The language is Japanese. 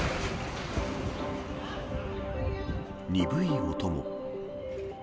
鈍い音も。